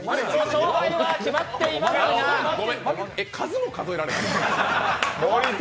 勝敗は決まっていますがえっ、ごめん、数も数えられないの？